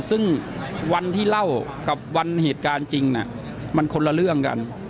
ซึ่งวันที่เล่ากับวันเหตุการณ์จริงมันคนละเรื่องกัน